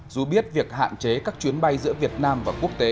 dù biết việc hạn chế các chuyến bay giữa việt nam và quốc tế